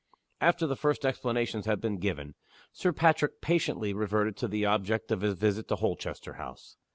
After the first explanations had been given, Sir Patrick patiently reverted to the object of his visit to Holchester House.